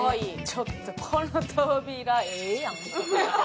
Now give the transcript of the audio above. ちょっとこの扉、ええやん。